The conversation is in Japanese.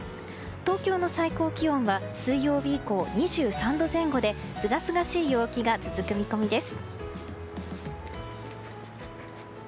東京の最高気温は水曜日以降、２３度前後ですがすがしい陽気が続く見込みです。